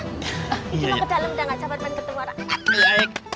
cuma ke dalam udah gak sabar sabar ketemu orang